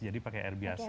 jadi pakai air biasa